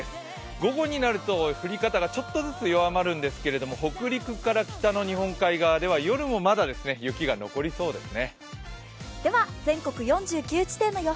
午後になると降り方がちょっとずつ弱まるんですけれども、北陸から北の日本海側では夜もまだ雪が残りそうですね。